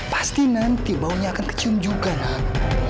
pasti nanti baunya akan kecium juga kan